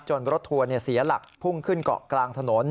รถทัวร์เสียหลักพุ่งขึ้นเกาะกลางถนน